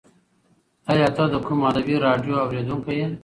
ایا ته د کوم ادبي راډیو اورېدونکی یې؟